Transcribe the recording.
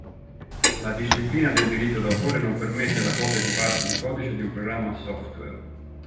La disciplina del diritto d'autore non permette la copia di parti di codice di un programma software.